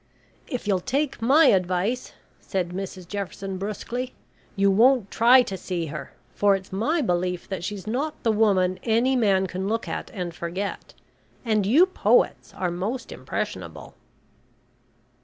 "If you'll take my advice," said Mrs Jefferson brusquely, "you won't try to see her, for it's my belief that she's not the woman any man can look at and forget, and you poets are mostly impressionable."